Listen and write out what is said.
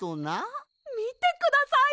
みてください！